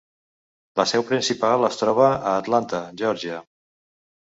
La seu principal es troba a Atlanta, Geòrgia.